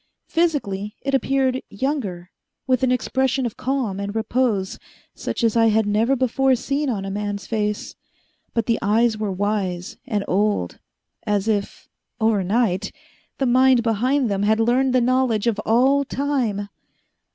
Physically it appeared younger, with an expression of calm and repose such as I had never before seen on a man's face. But the eyes were wise and old, as if overnight! the mind behind them had learned the knowledge of all time.